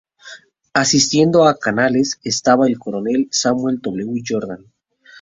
Asistiendo a Canales estaba el Coronel Samuel W. Jordan.